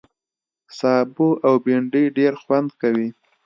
سابه او بېنډۍ ډېر خوند کوي